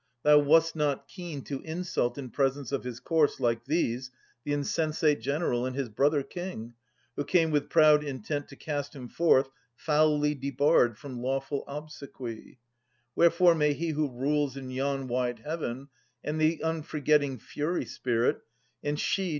Thou wast not keen To insult in presence of his corse, like these. The insensate general and his brother king. Who came with proud intent to cast him forth Foully debarred from lawful obsequy. Wherefore may he who rules in yon wide heaven. And the unforgetting Fury spirit, and she.